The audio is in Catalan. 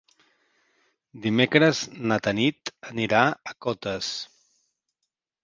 Dimecres na Tanit anirà a Cotes.